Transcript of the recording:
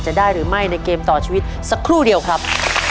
จะได้หรือไม่ในเกมต่อชีวิตสักครู่เดียวครับ